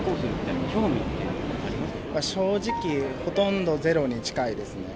正直ほとんど、０に近いですね。